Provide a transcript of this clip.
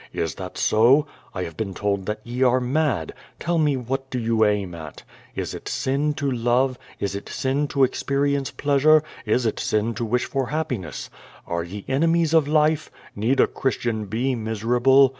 Is that so? I have been told that ye are mad. Tell me what do you aim at? Is it sin to love, is it sin to exjieri ence pleasure, is it sin to wish for happiness? Are ye ene mies of life? Need a Christian be miserable?